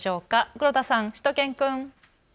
黒田さん、しゅと犬くん。